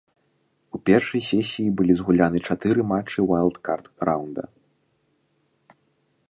У першай сесіі былі згуляны чатыры матчы ўайлдкард раўнда.